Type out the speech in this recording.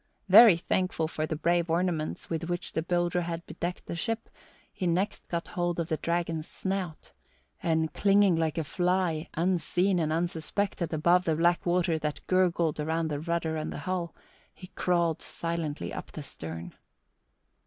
Very thankful for the brave ornaments with which the builder had bedecked the ship, he next got hold of the dragon's snout, and clinging like a fly, unseen and unsuspected, above the black water that gurgled about the rudder and the hull, he crawled silently up the stern.